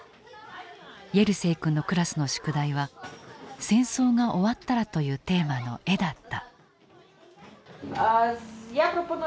イェルセイ君のクラスの宿題は「戦争が終わったら」というテーマの絵だった。